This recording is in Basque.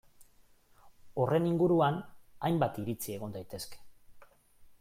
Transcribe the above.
Horren inguruan hainbat iritzi egon daitezke.